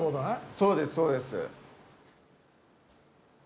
そうですそうです。